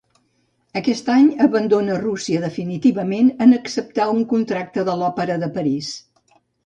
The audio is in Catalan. Aquest any abandona Rússia definitivament en acceptar un contracte de l'Òpera de París.